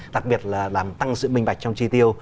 đặc biệt là làm tăng sự minh bạch trong chi tiêu